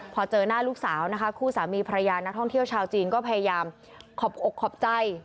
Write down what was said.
พอเจอหน้าลูกสาวนะคะคู่สามีภรรยานักท่องเที่ยวชาวจีนก็พยายามขอบอกขอบใจ